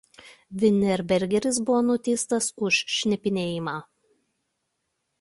Vinerbergeris buvo nuteistas už šnipinėjimą.